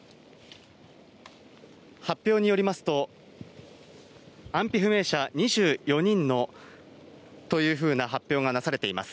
発表によりますと安否不明者２４人というふうな発表がなされています。